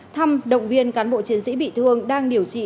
thăm động viên cán bộ chiến sĩ bị thương đang điều trị